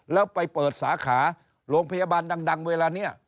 แล้วไปเปิดสาขาโรงพยาบาลดังเวลานี้